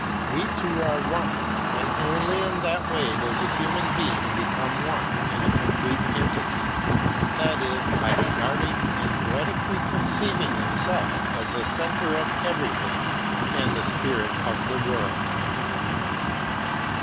We two are one, and only in that way does a human being become one and a complete entity, that is, by regarding and poetically conceiving himself as the centre of everything and the spirit of the world.